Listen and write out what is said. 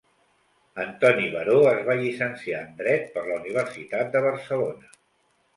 Antoni Baró es va llicenciar en dret per la Universitat de Barcelona.